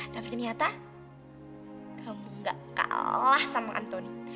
tapi ternyata kamu gak kalah sama anthony